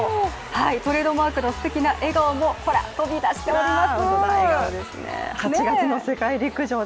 トレードマークのすてきな笑顔もほら、飛び出しております。